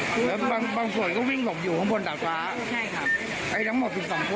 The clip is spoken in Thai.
อ๋อแล้วบางส่วนก็วิ่งหลบอยู่ข้างบนดาบฟ้าทั้งหมดอยู่๒คนอ่ะนะ